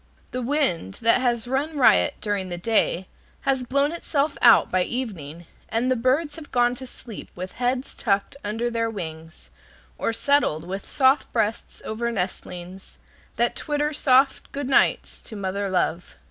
The wind, that has run riot during the day, has blown itself out by evening, and the birds have gone to sleep with heads tucked under their wings, or settled with soft breasts over nestlings that twitter soft "good nights" to mother love.